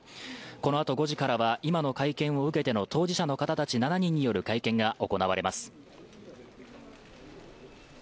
このあと５時からは、今の会見を受けての当事者の方たち７人による会見が行われます。